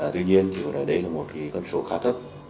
tuy nhiên đây là một con số khá thấp